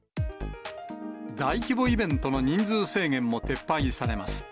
大規模イベントの人数制限も撤廃されます。